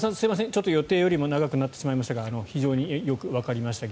ちょっと予定より長くなってしましたが非常に現状がよくわかりました。